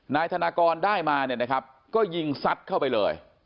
นายธนากรได้มาก็ยิงสัดเข้าไปเลย